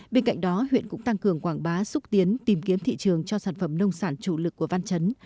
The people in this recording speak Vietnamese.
bên cạnh đó huyện cũng tăng cường quảng bá xúc tiến tìm kiếm thị trường cho sản phẩm nông sản chủ lực của văn chấn